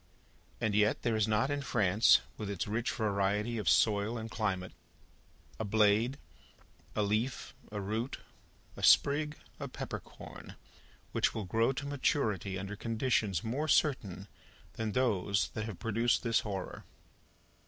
And yet there is not in France, with its rich variety of soil and climate, a blade, a leaf, a root, a sprig, a peppercorn, which will grow to maturity under conditions more certain than those that have produced this horror.